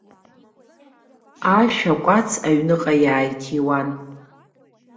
Ашә, акәац аҩныҟа иааиҭиуан.